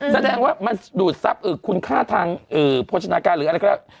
แสดงว่ามันดูดทรัพย์คุณค่าทางโภชนาการหรืออะไรก็แล้ว